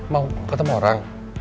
mau ketemu orang